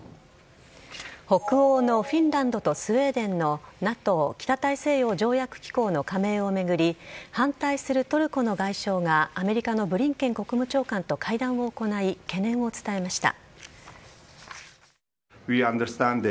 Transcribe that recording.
北欧のフィンランドとスウェーデンのＮＡＴＯ＝北大西洋条約機構の加盟を巡り反対するトルコの外相がアメリカのブリンケン国務長官と会談を行い、懸念を伝えました。